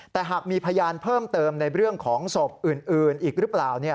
แต่หากมีพยานเพิ่มเติมในเรื่องของศพอื่นอีกหรือเปล่า